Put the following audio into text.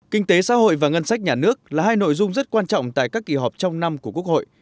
kinh tế xã hội và ngân sách nhà nước là hai nội dung rất quan trọng tại các kỳ họp trong năm của quốc hội